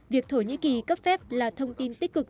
việc thổ nhĩ kỳ cấp phép là thông tin tích cực